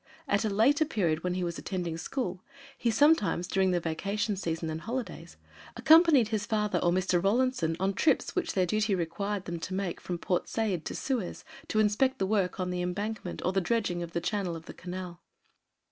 At a later period, when he was attending school, he sometimes, during the vacation season and holidays, accompanied his father or Mr. Rawlinson on trips, which their duty required them to make from Port Said to Suez to inspect the work on the embankment or the dredging of the channel of the Canal.